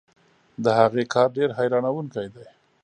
د هغې کار ډېر حیرانوونکی دی.